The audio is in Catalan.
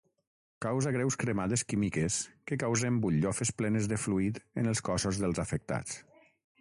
Causa greus cremades químiques que causen butllofes plenes de fluid en els cossos dels afectats.